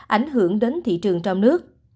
ảnh hưởng đến thị trường trong nước